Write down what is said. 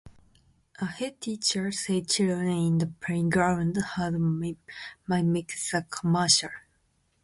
A head teacher said children in the playground had mimicked the commercial.